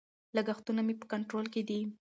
لګښتونه مې په کنټرول کې دي.